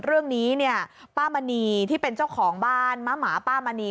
เรื่องนี้เนี่ยป้ามณีที่เป็นเจ้าของบ้านม้าหมาป้ามณี